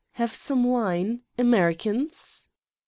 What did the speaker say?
Have some wine? Americans?"